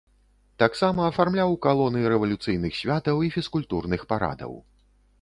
Таксама афармляў калоны рэвалюцыйных святаў і фізкультурных парадаў.